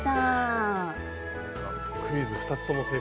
クイズ２つとも正解。